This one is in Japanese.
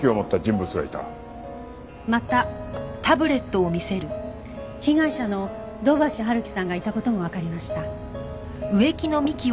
また被害者の土橋春樹さんがいた事もわかりました。